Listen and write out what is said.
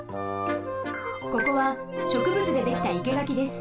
ここはしょくぶつでできた生け垣です。